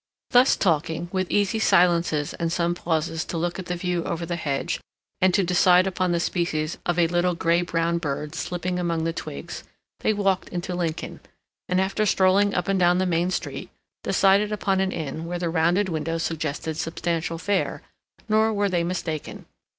Thus talking, with easy silences and some pauses to look at the view over the hedge and to decide upon the species of a little gray brown bird slipping among the twigs, they walked into Lincoln, and after strolling up and down the main street, decided upon an inn where the rounded window suggested substantial fare, nor were they mistaken.